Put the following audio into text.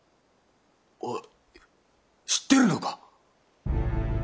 おい知ってるのか？